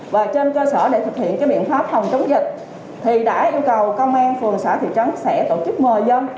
và trên cơ sở để thực hiện biện pháp phòng chống dịch thì đã yêu cầu công an phường xã thị trấn sẽ tổ chức mời dân